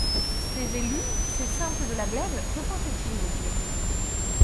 Ces élus, ces simples de la glèbe que pensaient-ils de Dieu?